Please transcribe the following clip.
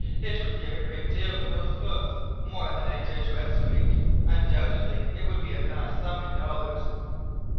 "It would give a great deal for those books, more than I dare to estimate, undoubtedly it would be a vast sum in dollars."